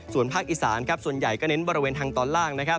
ส่วนภาคอีสานส่วนใหญ่ก็เน้นบริเวณทางตอนล่างนะครับ